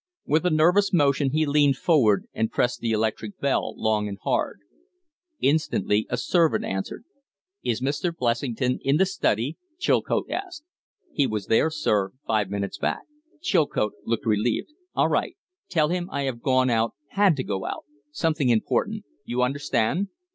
With a nervous motion he leaned forward and pressed the electric bell long and hard. Instantly a servant answered. "Is Mr. Blessington in the study?" Chilcote asked. "He was there, sir, five minutes back." Chilcote looked relieved. "All right! Tell him I have gone out had to go out. Something important. You understand?"